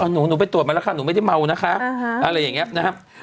หนูไปตรวจมาแล้วค่ะหนูไม่ได้เมานะคะอะไรอย่างนี้นะครับ